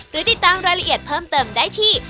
หรือติดตามรายละเอียดเพิ่มเติมได้ที่